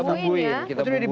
kita pungguin ya